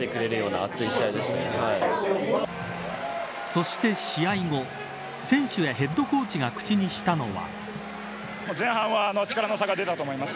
そして試合後選手やヘッドコーチが口にしたのは。